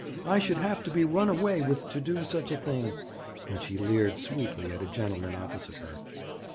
'I should have to be run away with to do such a thing;' and she leered sweetly at a gentleman opposite her.